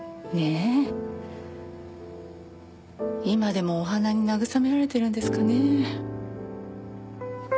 今でもお花に慰められているんですかね。